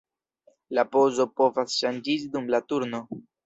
La pozo povas ŝanĝiĝi dum la turno.